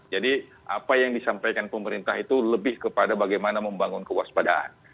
jadi apa yang disampaikan pemerintah itu lebih kepada bagaimana membangun kewaspadaan